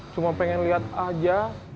cuma pengen lihat aja